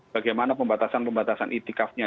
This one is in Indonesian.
bagaimana pembatasan pembatasan itikafnya